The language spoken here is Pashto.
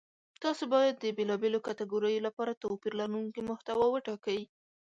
تاسو باید د بېلابېلو کتګوریو لپاره توپیر لرونکې محتوا وټاکئ.